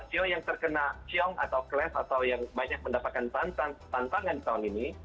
siwa yang terkena ciong atau kles atau yang banyak mendapatkan tantangan di tahun ini